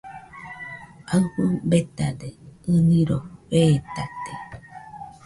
Aɨfɨ betade, ɨniroi fetate.